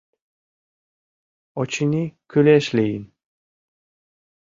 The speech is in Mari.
— Очыни, кӱлеш лийын!